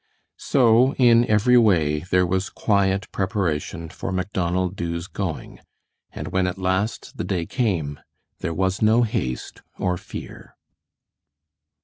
So in every way there was quiet preparation for Macdonald Dubh's going, and when at last the day came, there was no haste or fear.